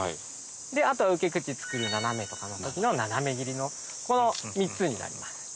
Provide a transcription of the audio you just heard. あとは受け口作る斜めとかの時の斜め切りのこの３つになります。